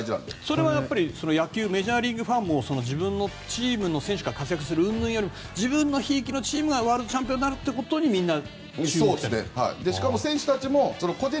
それはメジャーリーグファンも自分のチームの選手が活躍するうんぬんより自分のひいきのチームがワールドチャンピオンになることにみんな。